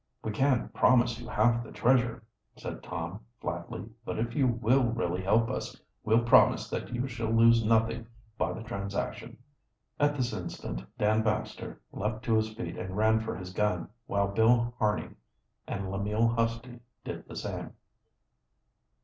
"We can't promise you half the treasure," said Tom flatly. "But if you will really help us, we'll promise that you shall lose nothing by the transaction." At this instant Dan Baxter leaped to his feet and ran for his gun, while Bill Harney and Lemuel Husty did the same.